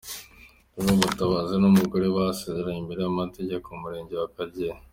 Nibwo Mutabazi n’umugore we basezeranye imbere y’amategeko mu Murenge wa Kageyo.